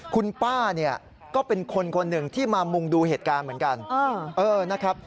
คุณป้าก็เป็นคนหนึ่งที่มามุ่งดูเหตุการณ์เหมือนกัน